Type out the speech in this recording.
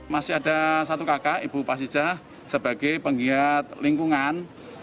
masih ada satu kakak ibu pasijah sebagai penggiat lingkungan